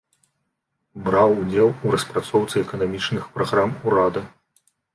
Браў удзел у распрацоўцы эканамічных праграм урада.